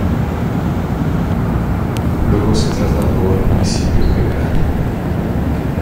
Luego se trasladó al Municipio Gral.